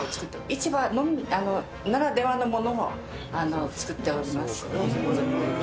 市場ならではのものも作っております。